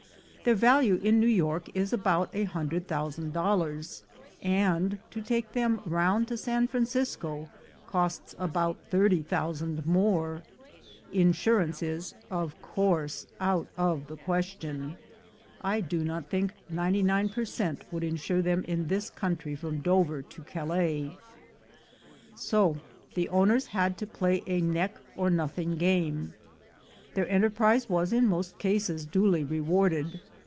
Their value in New York is about a hundred thousand dollars, and to take them round to San Francisco costs about thirty thousand more. Insurance is, of course, out of the question (I do not think 99 per cent, would insure them in this country from Dover to Calais) ; so the owners had to play a neck or nothing game. Their enterprise was in most cases duly rewarded.